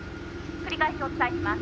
「繰り返しお伝えします。